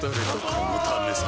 このためさ